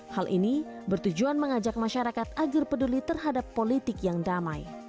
hal ini bertujuan mengajak masyarakat agar peduli terhadap politik yang damai